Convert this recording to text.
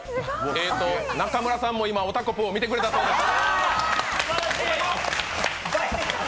えーと、中村さんも今、おたこぷーを見てくれたそうです。